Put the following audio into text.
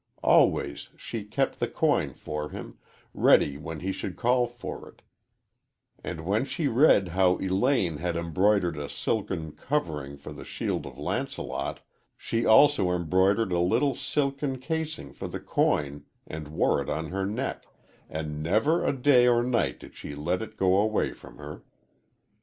Always she kept the coin for him, ready when he should call for it, and when she read how Elaine had embroidered a silken covering for the shield of Launcelot, she also embroidered a little silken casing for the coin and wore it on her neck, and never a day or night did she let it go away from her.